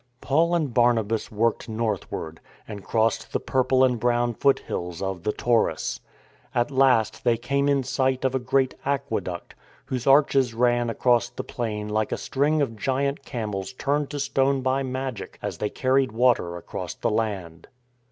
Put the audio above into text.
Paul and Barnabas worked northward, and crossed the purple and brown foot hills of the Taurus. At last they came in sight of a great aqueduct, whose arches ran across the plain like a string of giant camels turned to stone by magic as they carried water across the land.